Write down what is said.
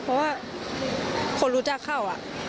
เพราะว่าคนรู้จักเข้า